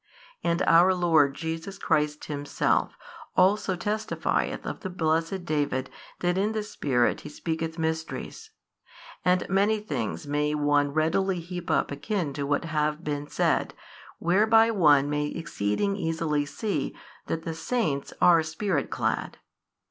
And our Lord Jesus Christ Himself also testifieth of the blessed David that in the Spirit he speaketh mysteries. And many things may one readily heap up akin to what have been said, whereby one may exceeding easily see that the saints are Spirit clad.